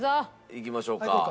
いきましょうか。